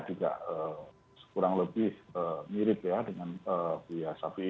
juga kurang lebih mirip ya dengan buya sapi